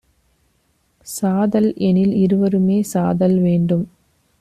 சாதல்எனில் இருவருமே சாதல் வேண்டும்